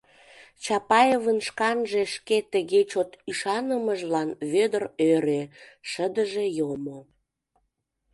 Чапаевын шканже шке тыге чот ӱшанымыжлан Вӧдыр ӧрӧ, шыдыже йомо.